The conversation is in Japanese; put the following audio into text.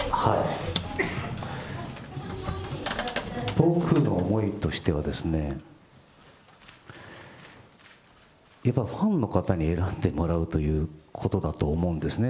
僕の思いとしてはですね、やっぱりファンの方に選んでもらうということだと思うんですね。